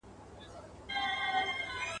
دا خیرات دی که ښادي که فاتحه ده ..